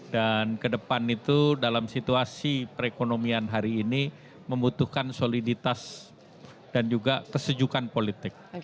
dan ke depan itu dalam situasi perekonomian hari ini membutuhkan soliditas dan juga kesejukan politik